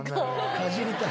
かじりたい。